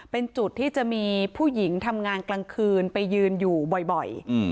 เป็นจุดที่จะมีผู้หญิงทำงานกลางคืนไปยืนอยู่บ่อย